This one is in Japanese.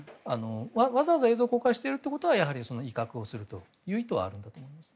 わざわざ映像を公開するというのはやはり威嚇する意図はあるんだと思います。